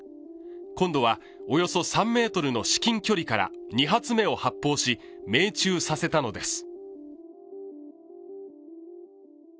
今度はおよそ３ｍの至近距離から２発目を発砲し、命中させたのです。